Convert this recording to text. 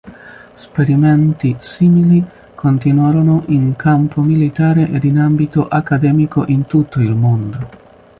Esperimenti simili continuarono in campo militare ed in ambito accademico in tutto il mondo.